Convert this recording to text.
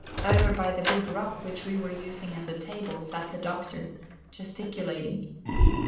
Over by the big rock which we were using as a table sat the Doctor, gesticulating.